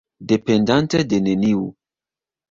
Dependante de neniu!